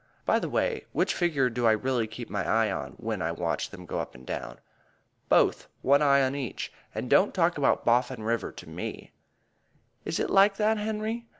By the way, which figure do I really keep my eye on when I want to watch them go up and down?" "Both. One eye on each. And don't talk about Boffin River to me." "Is it like that, Henry?